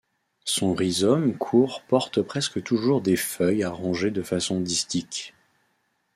Son rhizome court porte presque toujours des feuilles arrangées de façon distique.